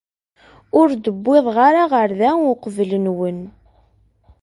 Ur d-wwiḍeɣ ara ɣer da uqbel-nwen.